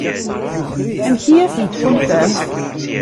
Amek i asent-tḥulfam?